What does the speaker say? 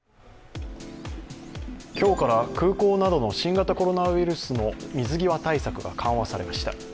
今日から空港などの新型コロナウイルスの水際対策が緩和されました。